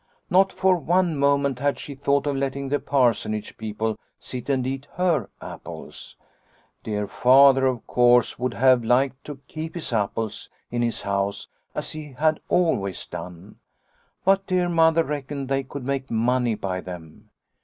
Not for one moment had she thought of letting the Parsonage people sit and eat her apples. " Dear Father, of course, would have liked to keep his apples in his house as he had always done, but dear Mother reckoned they could make money by them.